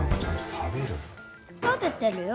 食べてるよ。